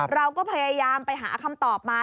เราก็พยายามไปหาคำตอบมา